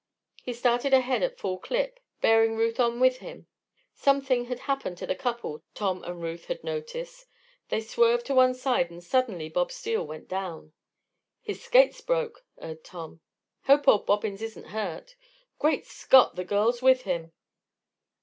He started ahead at full clip, bearing Ruth on with him. Something had happened to the couple Tom and Ruth had noticed. They swerved to one side and suddenly Bob Steele went down. "His skate's broke!" erred Tom. "Hope old Bobbins isn't hurt. Great Scott! the girl's with him!"